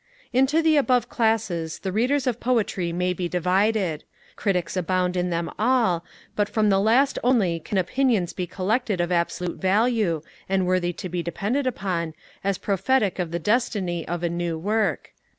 Into the above classes the Readers of poetry may be divided; Critics abound in them all; but from the last only can opinions be collected of absolute value, and worthy to be depended upon, as prophetic of the destiny of a new work.